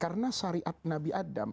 karena syariat nabi adam